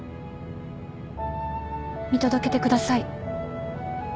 見届けてください。